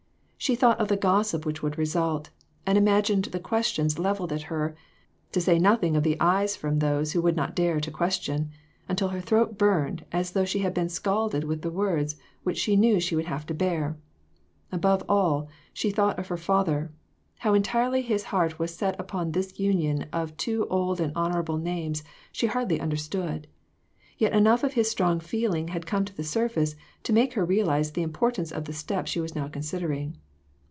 She thought of the gossip which would result, and imagined the questions levelled at her, to say nothing of the eyes from those who would not dare to question, until her throat burned as though it had been scalded with the words which she knew she would have to bear. Above all, she thought of her father ; how entirely his heart was set upon this union of two old and honorable names she hardly understood ; yet enough of his strong feeling had come to the surface to make her realize the importance of the step she was now considering.